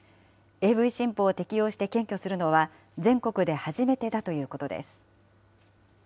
ＡＶ新法を適用して検挙するのは、全国で初めてだということです。